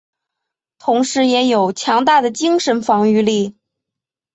同时也有强大的精神防御力。